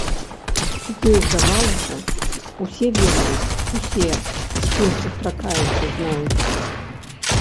Ёй здавалася, усе ведаюць, усе, з кім сустракаецца, знаюць.